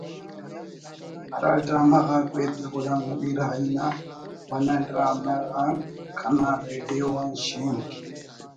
ہرا ڈرامہ غاک (بیدس غلام نبی راہی نا منہ ڈرامہ غان) کنا ریڈیو آن شینک